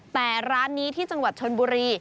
แต่ร้านนี้ที่จังหวัดชนบุรี